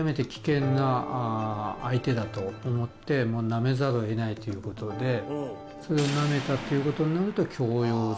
だと思ってなめざるを得ないということでそれをなめたということになると。